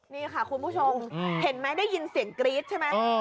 นี่ค่ะคุณผู้ชมเห็นไหมได้ยินเสียงกรี๊ดใช่ไหม